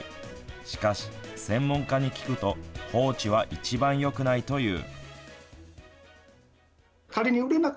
しかし専門家に聞くと放置は一番よくないという。